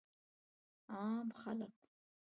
عام خلک